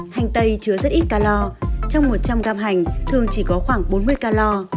hành tây chứa rất ít calor trong một trăm linh gam hành thường chỉ có khoảng bốn mươi calor